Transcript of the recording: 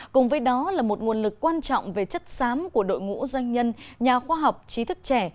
cùng với đó là một nguồn lực quan trọng về chất xám của đội ngũ doanh nhân nhà khoa học trí thức trẻ